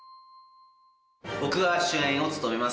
僕が主演を務めます